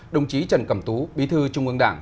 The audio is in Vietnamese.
đồng chí trần cẩm tú bí thư trung ương đảng